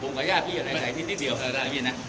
พรมกับหญ้าพี่ตกแต่ไปนิดเดียวนะ